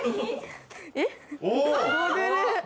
えっ？